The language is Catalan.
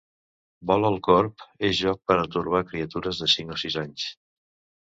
'Vola el corb' és joc per a torbar criatures de cinc o sis anys.